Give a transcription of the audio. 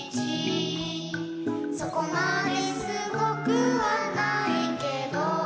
「そこまですごくはないけど」